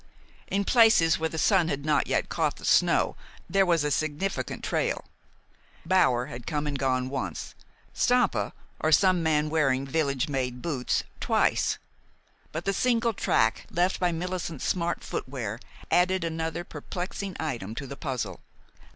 In places where the sun had not yet caught the snow there was a significant trail. Bower had come and gone once, Stampa, or some man wearing village made boots, twice; but the single track left by Millicent's smart footwear added another perplexing item to the puzzle.